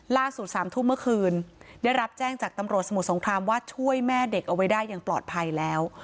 ๓ทุ่มเมื่อคืนได้รับแจ้งจากตำรวจสมุทรสงครามว่าช่วยแม่เด็กเอาไว้ได้อย่างปลอดภัยแล้ว